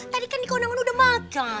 tadi kan di kondongan udah makan